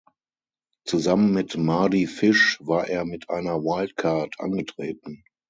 Zusammen mit Mardy Fish war er mit einer Wildcard angetreten.